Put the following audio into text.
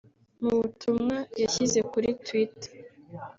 Mu butumwa yashyize kuri Twitter